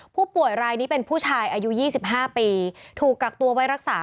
ผู้ป่วยรายนี้เป็นผู้ชายอายุ๒๕ปีถูกกักตัวไว้รักษา